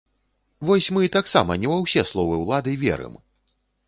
Вось мы таксама не ва ўсе словы улады верым!